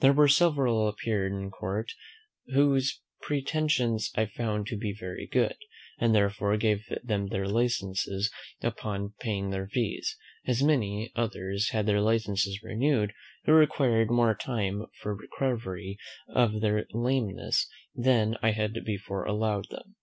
There were several appeared in court, whose pretensions I found to be very good, and, therefore, gave them their licenses upon paying their fees; as many others had their licenses renewed, who required more time for recovery of their lameness than I had before allowed them.